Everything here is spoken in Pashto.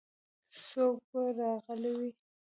څوک به راغلي وي.